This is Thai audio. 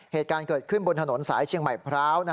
เหตุการณ์เกิดขึ้นบนถนนสายเชียงใหม่พร้าว